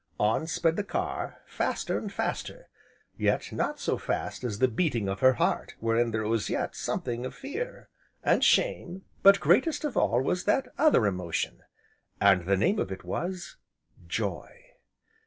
On sped the car, faster, and faster, yet not so fast as the beating of her heart wherein there was yet something of fear, and shame, but greatest of all was that other emotion, and the name of it was Joy.